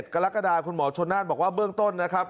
กรกฎาคุณหมอชนน่านบอกว่าเบื้องต้นนะครับ